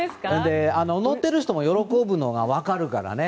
乗ってる人も喜ぶのが分かるからね。